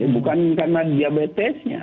bukan karena diabetesnya